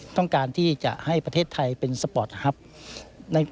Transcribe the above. ต้องการที่จะให้ประเทศไทยเป็นสปอร์ตฮัพ